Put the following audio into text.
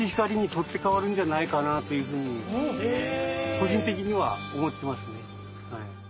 個人的には思ってますね。